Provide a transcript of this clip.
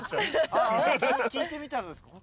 聞いてみたらどうですか？